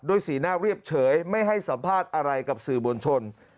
สีหน้าเรียบเฉยไม่ให้สัมภาษณ์อะไรกับสื่อมวลชน